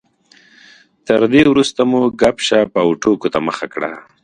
تر دې وروسته مو ګپ شپ او ټوکو ته مخه کړه.